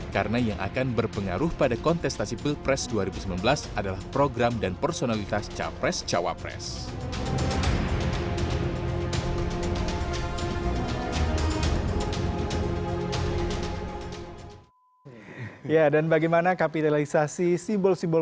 karena yang akan berpengaruh pada kontestasi pilpres dua ribu sembilan belas adalah program dan personalitas capres cawapres